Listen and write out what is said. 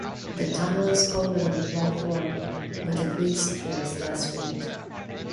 The tunnel is colder than the platform, but at least there's less wind.